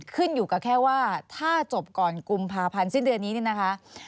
ขึ้นอยู่กับแค่ว่าถ้าจบก่อนกุมภาพันธ์สิ้นเดือนนี้เนี่ยนะคะ